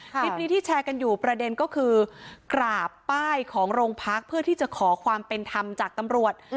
คลิปนี้ที่แชร์กันอยู่ประเด็นก็คือกราบป้ายของโรงพักเพื่อที่จะขอความเป็นธรรมจากตำรวจ